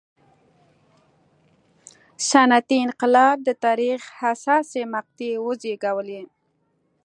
صنعتي انقلاب د تاریخ حساسې مقطعې وزېږولې.